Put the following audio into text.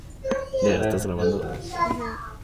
Sonic, এইমাত্র শুনলাম ওখানে জল ছেটানোর যন্ত্র আছে।